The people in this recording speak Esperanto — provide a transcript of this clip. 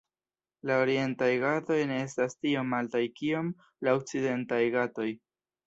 La Orientaj Ghatoj ne estas tiom altaj kiom la Okcidentaj Ghatoj.